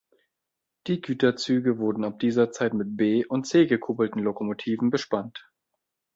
Die Güterzüge wurden ab dieser Zeit mit B- und C-gekuppelten Lokomotiven bespannt.